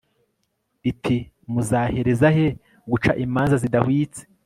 iti muzahereza he guca imanza zidahwitse